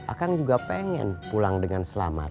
akan juga pengen pulang dengan selamat